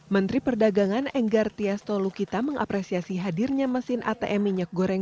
menteri perdagangan enggar tias tolukita mengapresiasi hadirnya mesin atm minyak goreng